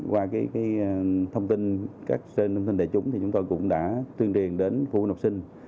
qua thông tin các kênh thông tin đại chúng thì chúng tôi cũng đã tuyên truyền đến phụ huynh học sinh